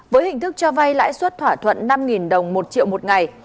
với hình thức cho vay lãi suất thỏa thuận năm đồng một triệu một ngày